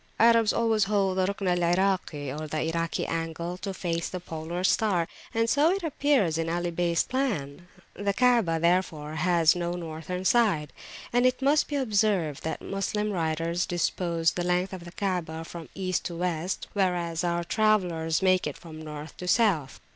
Arabs always hold the Rukn al Iraki, or Irak angle, to face the polar star, and so it appears in Ali Beys plan. The Kaabah, therefore, has no Northern side. And it must be observed that Moslem writers dispose the length of the Kaabah from East to West, whereas our travellers make it from North to South.